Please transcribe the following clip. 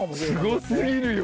すごすぎるよ。